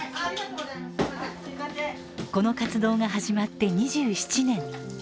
この活動が始まって２７年。